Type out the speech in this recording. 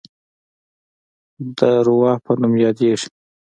د روه په نوم یادیږي.